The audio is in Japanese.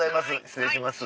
失礼します。